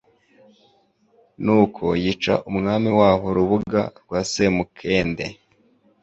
nuko yica umwami waho Rubuga Rwa Samukende,